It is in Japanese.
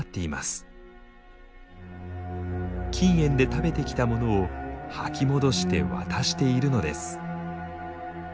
菌園で食べてきたものを吐き戻して渡しているのです。